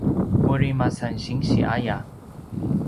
muri masan sinsi aya